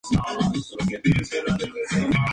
Era hijo de un abogado rico.